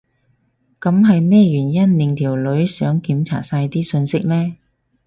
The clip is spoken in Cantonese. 噉係咩原因令條女想檢查晒啲訊息呢？